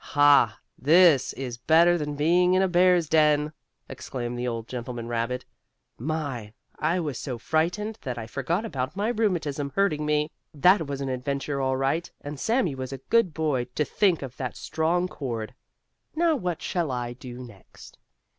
"Ha! This is better than being in a bear's den!" exclaimed the old gentleman rabbit. "My, I was so frightened that I forgot about my rheumatism hurting me. That was an adventure all right, and Sammie was a good boy to think of that strong cord. Now what shall I do next?"